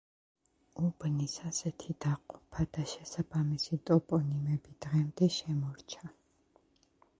უბნის ასეთი დაყოფა და შესაბამისი ტოპონიმები დღემდე შემორჩა.